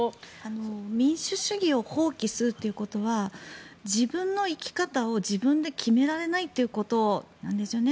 民主主義を放棄するっていうことは自分の生き方を自分で決められないということなんですよね。